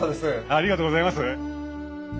ありがとうございます。